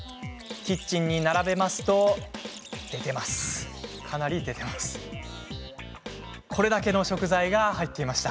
キッチンに並べますと出てます、出てます。